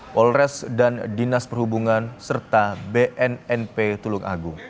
polres dan dinas perhubungan serta bnnp tulung agung